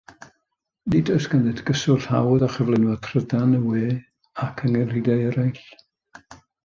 Nid oes ganddynt gyswllt hawdd â chyflenwad thrydan, y we, ac angenrheidiau eraill.